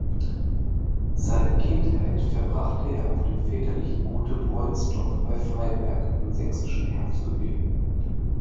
Seine Kindheit verbrachte er auf dem väterlichen Gute Bräunsdorf bei Freiberg im sächsischen Erzgebirge.